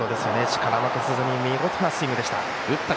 力負けせずに見事なスイングでした。